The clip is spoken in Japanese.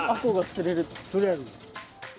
釣れる。